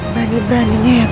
berani beraninya ya kamu guys